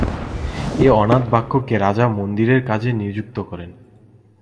এই অনাথ বালককে রাজা মন্দিরের কাজে নিযুক্ত করেন।